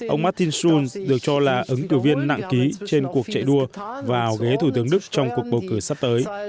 ông martin schulz được cho là ứng cử viên nặng ký trên cuộc chạy đua và ảo ghế thủ tướng đức trong cuộc bầu cử sắp tới